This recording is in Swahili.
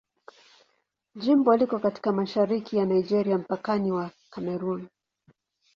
Jimbo liko katika mashariki ya Nigeria, mpakani wa Kamerun.